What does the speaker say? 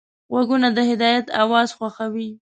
غوږونه د هدایت اواز خوښوي